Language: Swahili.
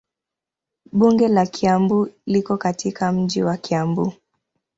Bunge la Kiambu liko katika mji wa Kiambu.